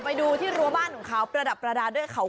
ไปดูที่รั้วบ้านของเขา